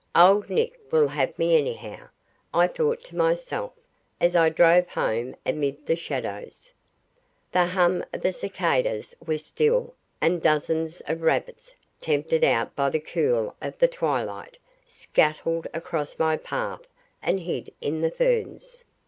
"Old Nick will have me anyhow," I thought to myself as I drove home amid the shadows. The hum of the cicadas was still, and dozens of rabbits, tempted out by the cool of the twilight, scuttled across my path and hid in the ferns.